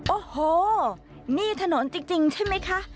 โอ้โหนี่ถนนจริงใช่ไหมคะ